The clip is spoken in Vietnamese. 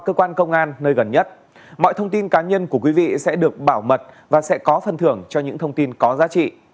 cơ quan cảnh sát điều tra bộ công an sẽ được báo mật và sẽ có phân thưởng cho những thông tin có giá trị